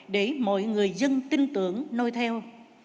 để mọi người dân tin tưởng nôi theo